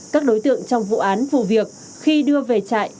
các đối tượng trong vụ án vụ việc khi đưa về trại